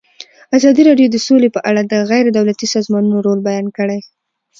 ازادي راډیو د سوله په اړه د غیر دولتي سازمانونو رول بیان کړی.